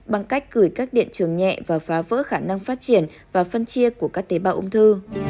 bằng cách gửi các điện trường nhẹ và phá vỡ khả năng phát triển và phân chia của các tế bào ung thư